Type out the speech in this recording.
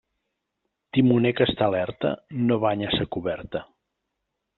Timoner que està alerta no banya sa coberta.